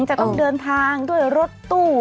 จะต้องเดินทางด้วยรถตู้